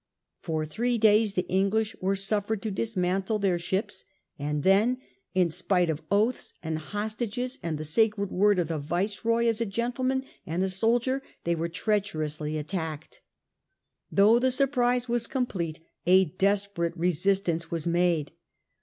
For three days the English were suifered to dismantle their ships, and then, in spite of oaths and hostages and the sacred word of the Viceroy as a gentleman and a soldier, they were treacherously attacked. Though the surprise was complete, a desperate resistance was made.